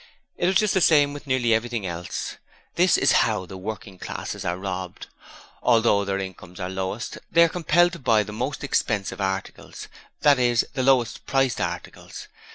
It was just the same with nearly everything else. This is how the working classes are robbed. Although their incomes are the lowest, they are compelled to buy the most expensive articles that is, the lowest priced articles.